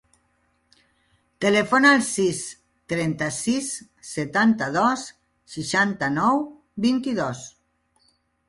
Telefona al sis, trenta-sis, setanta-dos, seixanta-nou, vint-i-dos.